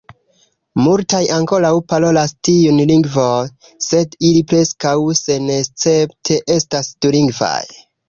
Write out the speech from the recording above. Multaj ankoraŭ parolas tiun lingvon, sed ili preskaŭ senescepte estas dulingvaj.